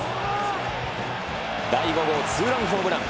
第５号ツーランホームラン。